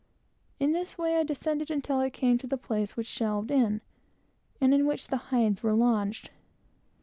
In this way I descended until I came to a place which shelved in, and in which the hides were lodged.